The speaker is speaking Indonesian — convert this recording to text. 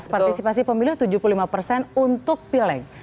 jadi kita mencari tujuh puluh lima persen untuk pilih